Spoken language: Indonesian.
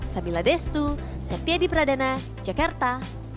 sambil ada destu saya tia di pradana jakarta